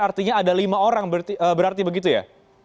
artinya ada lima orang berarti begitu ya